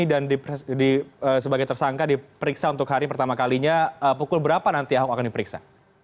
dan sebagai tersangka diperiksa untuk hari pertama kalinya pukul berapa nanti ahok akan diperiksa